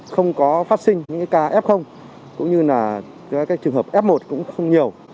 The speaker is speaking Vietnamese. không có phát sinh những ca f cũng như là các trường hợp f một cũng không nhiều